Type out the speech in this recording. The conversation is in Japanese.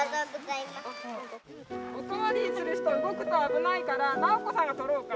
お代わりする人動くと危ないから奈緒子さんが取ろうか？